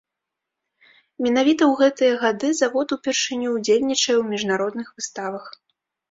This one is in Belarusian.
Менавіта ў гэтыя гады завод упершыню ўдзельнічае ў міжнародных выставах.